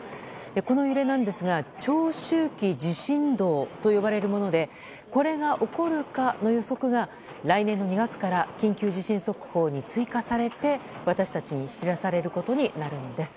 この揺れなんですが長周期地震動と呼ばれるものでこれが起こるかの予測が来年の２月から緊急地震速報に追加されて私たちに知らされることになるんです。